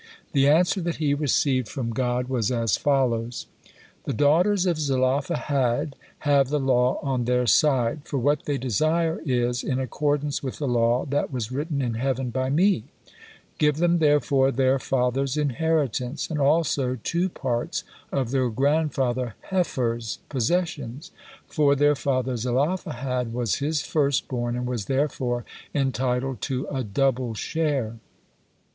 The answer that he received from God was as follows: "The daughters of Zelophehad have the law on their side, for what they desire is in accordance with the law that was written in heaven by Me; give them therefore their father's inheritance, and also two parts of their grandfather Hepher's possessions, for their father Zelophehad was his firstborn and was therefore entitled to a double share."